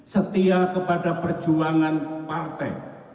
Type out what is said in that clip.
setia kepada perjuangan partai